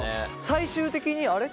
最終的にあれ？